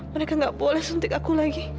mereka gak boleh suntik aku lagi